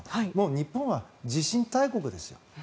日本は地震大国ですよ。